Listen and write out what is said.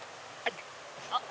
あっ。